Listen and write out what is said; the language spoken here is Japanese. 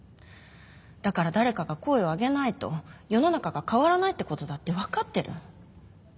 だから誰かが声を上げないと世の中が変わらないってことだって分かってる。